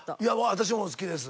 私も好きです。